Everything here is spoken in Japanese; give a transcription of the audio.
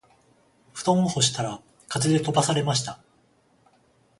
布団を干したら風で飛ばされました